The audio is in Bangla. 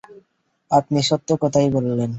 আপনি সত্য কথাই বললেন।